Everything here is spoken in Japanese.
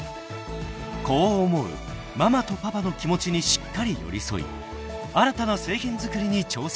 ［子を思うママとパパの気持ちにしっかり寄り添い新たな製品づくりに挑戦する］